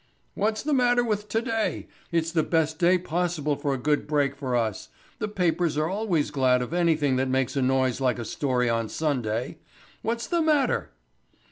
"What's the matter with today? It's the best day possible for a good break for us. The papers are always glad of anything that makes a noise like a story on Sunday. What's the matter?"